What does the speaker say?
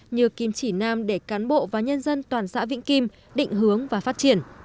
như kim chỉ nam để cán bộ và nhân dân toàn xã vĩnh kim định hướng và phát triển